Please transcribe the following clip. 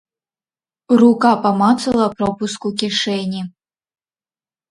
Рука памацала пропуск у кішэні.